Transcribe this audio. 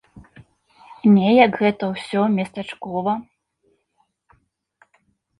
Неяк гэта ўсё местачкова.